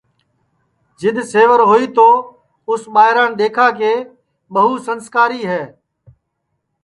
جِدؔ سیور ہوئی تو اُس ٻائران دؔیکھا کہ ٻوان سنٚسکاری ہے